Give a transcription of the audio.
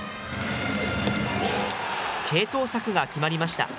継投策が決まりました。